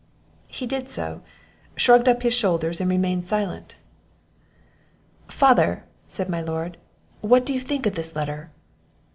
He did so, shrugged up his shoulders, and remained silent. "Father," said my lord, "what think you of this letter?"